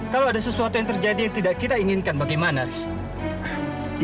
kalau ada sesuatu yang terjadi yang tidak kita inginkan bagaimana rizky